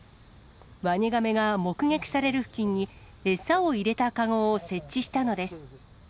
ワニガメが目撃される付近に、餌を入れた籠を設置したのです。